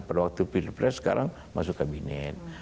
produk pilpres sekarang masuk kabinet